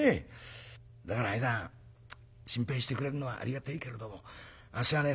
だから兄さん心配してくれるのはありがてえけれどもあっしはね